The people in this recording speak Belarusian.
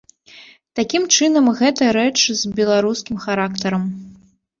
Такім чынам, гэта рэч з беларускім характарам.